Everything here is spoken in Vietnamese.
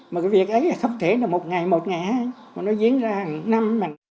mà cái việc ấy không thể là một ngày một ngày mà nó diễn ra hàng năm mà